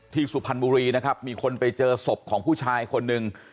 สุพรรณบุรีนะครับมีคนไปเจอศพของผู้ชายคนหนึ่ง